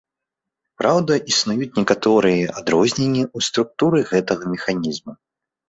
Праўда, існуюць некаторыя адрозненні ў структуры гэтага механізму.